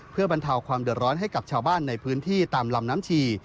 เพื่อบรรเทาความเดือดร้อนให้กับชาวบ้านในพื้นที่ตามลำน้ำชี